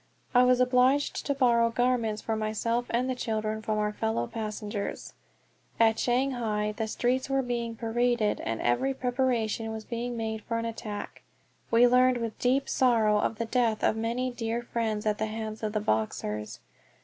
I was obliged to borrow garments for myself and the children from our fellow passengers. At Shanghai the streets were being paraded, and every preparation was being made for an attack. We learned with deep sorrow of the death of many dear friends at the hands of the Boxers.